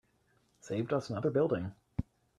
Saved us another building.